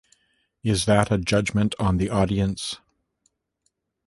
Is that a judgment on the audience?